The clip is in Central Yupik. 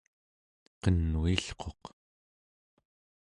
qenuilquq